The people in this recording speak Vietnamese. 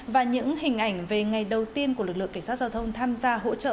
và những hình ảnh về ngày đầu tiên của lực lượng cảnh sát giao thông tham gia hỗ trợ